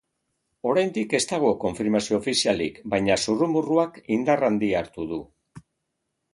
Oraindik ez dago konfirmazio ofizialik, baina zurrumurruak indar handia hartu du.